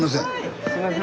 すいません。